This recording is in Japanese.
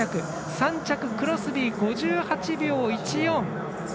３着、クロスビー、５８秒１４。